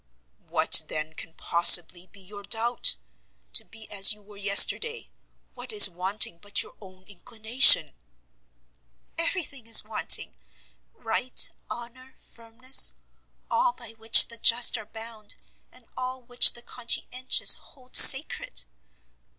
"What, then, can possibly be your doubt? To be as you were yesterday what is wanting but your own inclination?" "Every thing is wanting; right, honour, firmness, all by which the just are bound, and all which the conscientious hold sacred!"